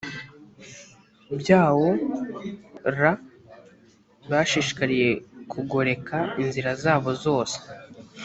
byawo r bashishikariye kugoreka inzira zabo zose